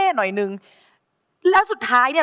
โปรดติดตามต่อไป